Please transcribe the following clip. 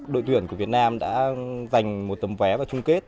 đội tuyển của việt nam đã dành một tấm vé vào chung kết